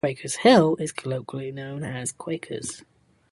Quakers Hill is colloquially known as 'Quakers'.